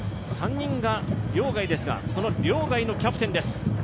３人が寮外ですが、その寮外のキャプテンです。